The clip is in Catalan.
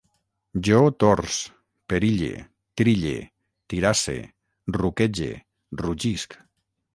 Jo torç, perille, trille, tirasse, ruquege, rugisc